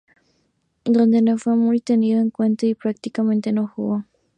Donde no fue muy tenido en cuenta y prácticamente no jugó.